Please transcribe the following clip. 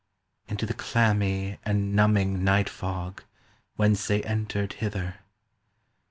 Into the clammy and numbing night fog Whence they entered hither.